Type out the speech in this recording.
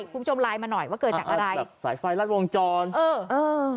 คุณผู้ชมไลน์มาหน่อยว่าเกิดจากอะไรกับสายไฟรัดวงจรเออเออ